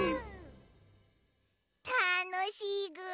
たのしいぐ。